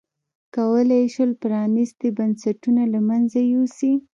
کولای یې شول پرانیستي بنسټونه له منځه یوسي.